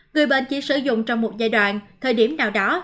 người bệnh chỉ sử dụng trong một giai đoạn thời điểm nào đó